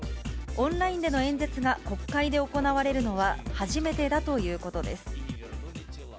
オンラインでの演説が国会で行われるのは初めてだということです。